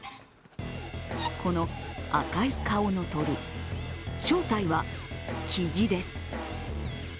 この赤い顔の鳥正体は、キジです。